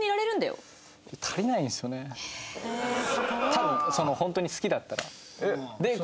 多分ホントに好きだったら。